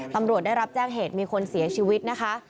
ตำรวจได้รับแจ้งเหตุมีคนเสียชีวิตนะคะ